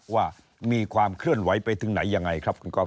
ว่ามีความเคลื่อนไหวไปถึงไหนยังไงครับคุณก๊อฟ